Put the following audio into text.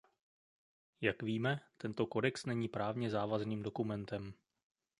Jak víme, tento kodex není právně závazným dokumentem.